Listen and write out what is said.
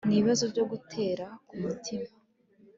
n'ibibazo byo gutera k'umutima